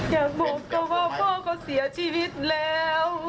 อยากบอกเขาว่าพ่อก็เสียชีวิตแล้ว